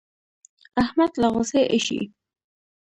احمد له غوسې اېشي.